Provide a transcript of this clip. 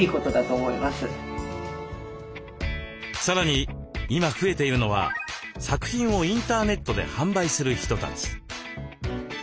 さらに今増えているのは作品をインターネットで販売する人たち。